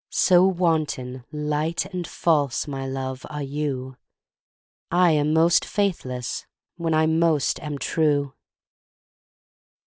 So wanton, light and false, my love, are you, I am most faithless when I most am true.